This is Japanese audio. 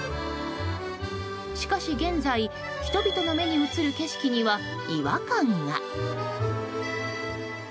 しかし現在、人々の目に映る景色には違和感が。